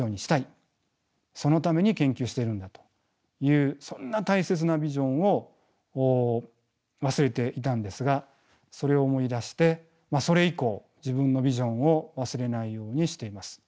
そのために研究してるんだというそんな大切なビジョンを忘れていたんですがそれを思い出してそれ以降自分のビジョンを忘れないようにしています。